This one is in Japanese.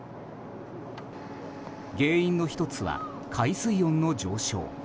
原因の１つは、海水温の上昇。